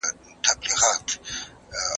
تعليم د هر فرد بنيادي حق دی.